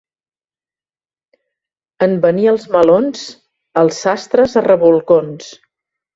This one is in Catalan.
En venir els melons, els sastres a rebolcons.